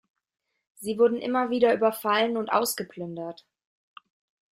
Sie wurden immer wieder überfallen und ausgeplündert.